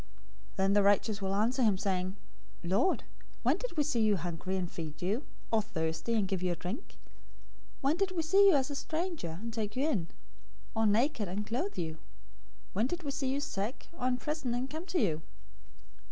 025:037 "Then the righteous will answer him, saying, 'Lord, when did we see you hungry, and feed you; or thirsty, and give you a drink? 025:038 When did we see you as a stranger, and take you in; or naked, and clothe you? 025:039 When did we see you sick, or in prison, and come to you?'